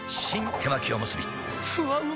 手巻おむすびふわうま